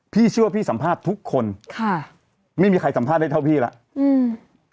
พี่เชื่อว่าพี่สัมภาษณ์ทุกคนค่ะไม่มีใครสัมภาษณ์ได้เท่าพี่แล้วอืม